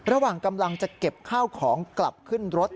ระหว่างกำลังจะเก็บข้าวของกลับขึ้นรถ